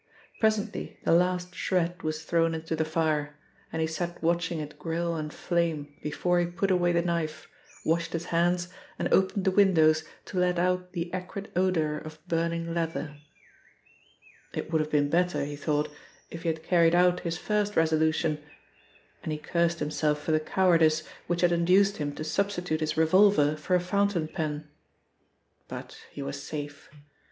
Presently the last shred was thrown into the fire and he sat watching it grill and flame before he put away the knife, washed his hands and opened the windows to let out the acrid odour of burning leather. It would have been better, he thought, if he had carried out his first resolution, and he cursed himself for the cowardice which had induced him to substitute his revolver for a fountain pen. But he was safe.